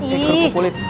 eh kerukuk kulit